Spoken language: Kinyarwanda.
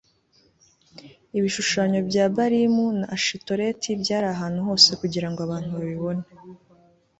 Ibishushanyo bya Balimu na Ashitoreti byari ahantu hose kugira ngo abantu babibone